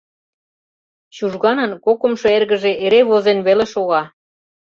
Чужганын кокымшо эргыже эре возен веле шога.